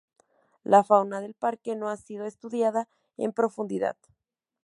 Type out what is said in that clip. La fauna del parque no ha sido estudiada en profundidad.